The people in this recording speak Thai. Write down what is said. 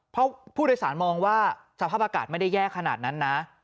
เพราะผู้โดยสารมองว่าสภาพอากาศไม่ได้แย่ขนาดนั้นนะ